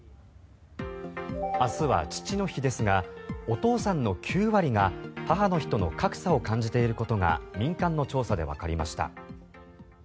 明日は父の日ですがお父さんの９割が母の日との格差を感じていることが民間の調査でわかりました。